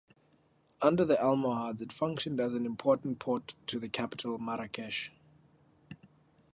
Under the Almohads it functioned as an important port to the capital Marrakesh.